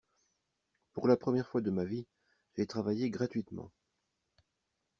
Pour la première fois de ma vie, j’ai travaillé gratuitement.